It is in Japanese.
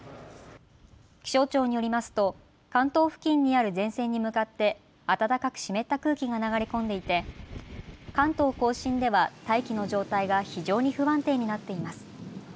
気象庁によりますと関東付近にある前線に向かって暖かく湿った空気が流れ込んでいて関東甲信では大気の状態が非常に不安定になっています。